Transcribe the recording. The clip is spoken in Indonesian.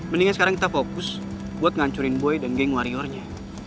mendingan sekarang kita fokus buat ngancurin boy dan geng warriornya